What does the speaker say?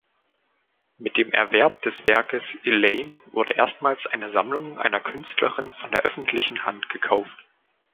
Mit dem Erwerb des Werkes „Elaine“ wurde erstmals eine Sammlung einer Künstlerin von der öffentlichen Hand gekauft.